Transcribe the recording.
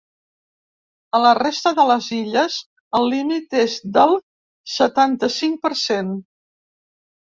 A la resta de les Illes, el límit és del setanta-cinc per cent.